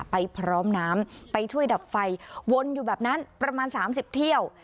ไปพร้อมน้ำไปช่วยดับไฟวนอยู่แบบนั้นประมาณ๓๐เที่ยว